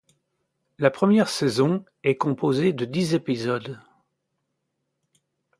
La première saison est composée de dix épisodes.